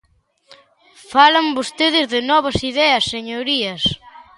Falan vostedes de novas ideas, señorías.